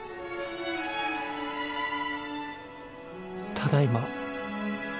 ただいま。